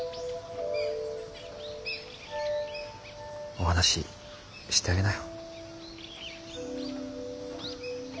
お話してあげなよ。